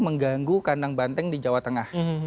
mengganggu kandang banteng di jawa tengah